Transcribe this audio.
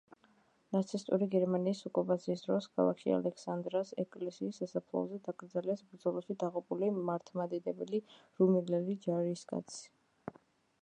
ნაცისტური გერმანიის ოკუპაციის დროს ქალაქში ალექსანდრას ეკლესიის სასაფლაოზე დაკრძალეს ბრძოლაში დაღუპული მართლმადიდებელი რუმინელი ჯარისკაცი.